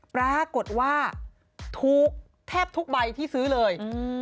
ปรากฏว่าถูกแทบทุกใบที่ซื้อเลย